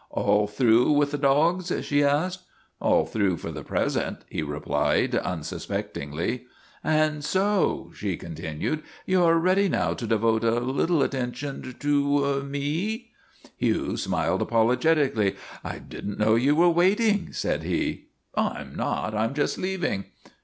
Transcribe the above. " All through with the dogs ?' she asked. " All through for the present," he replied, unsus pectingly. 258 LORNA OF THE BLACK EYE ' And so," she continued, " you are ready now to devote a little attention to me." Hugh smiled apologetically. ' I did n't know you were waiting," said he. " I 'm not; I 'm just leaving."